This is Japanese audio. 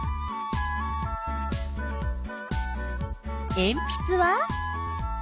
えんぴつは？